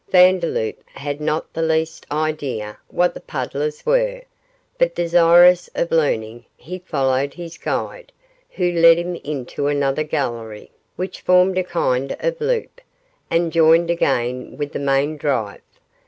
Vandeloup had not the least idea what the puddlers were, but desirous of learning, he followed his guide, who led him into another gallery, which formed a kind of loop, and joined again with the main drive.